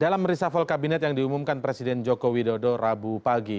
dalam reshuffle kabinet yang diumumkan presiden joko widodo rabu pagi